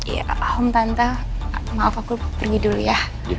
ya om tante maaf aku pergi dulu ya